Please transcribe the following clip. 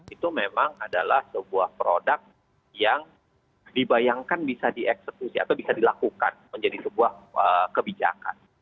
itu memang adalah sebuah produk yang dibayangkan bisa dieksekusi atau bisa dilakukan menjadi sebuah kebijakan